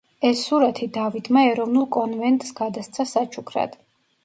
ეს სურათი დავიდმა ეროვნულ კონვენტს გადასცა საჩუქრად.